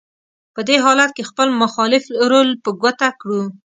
په دې حالت کې خپل مخالف رول په ګوته کړو: